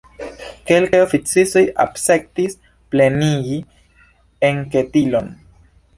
Kelkaj oficistoj akceptis plenigi enketilon.